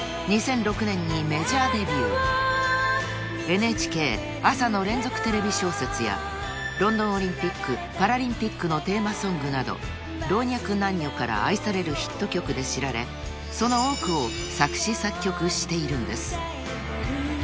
［ＮＨＫ朝の連続テレビ小説やロンドンオリンピックパラリンピックのテーマソングなど老若男女から愛されるヒット曲で知られその多くを作詞作曲しているんです］